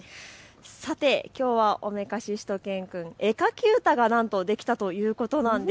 きょうはおめかししゅと犬くん、絵描き歌がなんとできたということなんです。